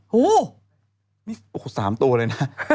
โหนี่๓ตัวเลยนะ